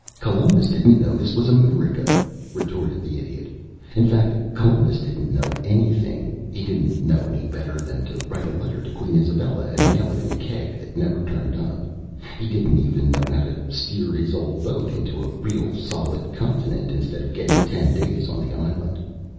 "Columbus didn't know this was America," retorted the Idiot. "In fact, Columbus didn't know anything. He didn't know any better than to write a letter to Queen Isabella and mail it in a keg that never turned up. He didn't even know how to steer his old boat into a real solid continent, instead of getting ten days on the island.